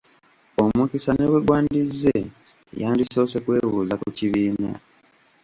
Omukisa ne bwe gwandizze yandisoose kwebuuza ku kibiina.